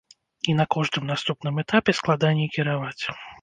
І на кожным наступным этапе складаней кіраваць.